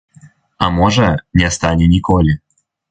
А можа, не стане ніколі.